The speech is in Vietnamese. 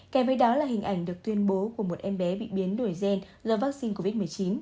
kèm với đó là hình ảnh được tuyên bố của một em bé bị biến đổi gen do vaccine covid một mươi chín